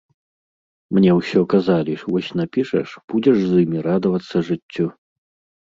Мне ўсё казалі, вось напішаш, будзеш з імі радавацца жыццю.